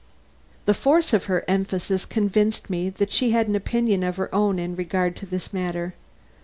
The force of her emphasis convinced me that she had an opinion of her own in regard to this matter.